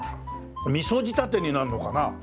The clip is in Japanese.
みそ仕立てになるのかな？